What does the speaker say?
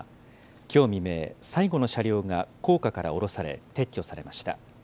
きょう未明、最後の車両が高架から下ろされ、撤去されました。